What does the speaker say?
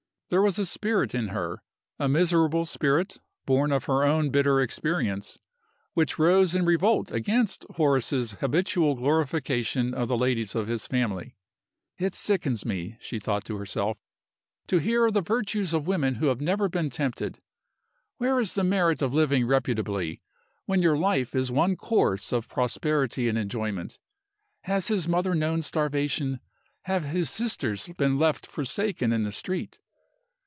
There was a spirit in her a miserable spirit, born of her own bitter experience which rose in revolt against Horace's habitual glorification of the ladies of his family. "It sickens me," she thought to herself, "to hear of the virtues of women who have never been tempted! Where is the merit of living reputably, when your life is one course of prosperity and enjoyment? Has his mother known starvation? Have his sisters been left forsaken in the street?"